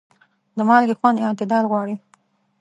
د مالګې خوند اعتدال غواړي.